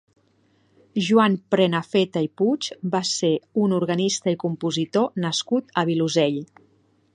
Joan Prenafeta i Puig va ser un organista i compositor nascut al Vilosell.